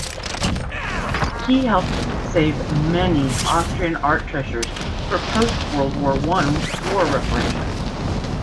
He helped save many Austrian art treasures for post-World War One war reparation.